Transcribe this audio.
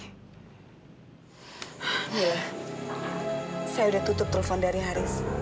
ya saya udah tutup telepon dari haris